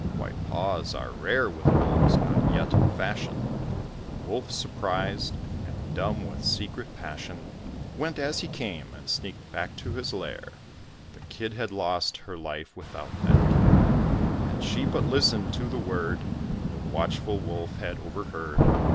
White paws are rare with wolves not yet in fashion. The Wolf surprised, and dumb with secret passion, Went as he came, and sneaked back to his lair: The Kid had lost her life without that care, Had she but listened to the word The watchful Wolf had overheard.